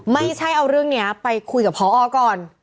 ไม่ใช่เอาเรื่องนี้ไปคุยกับพอก่อน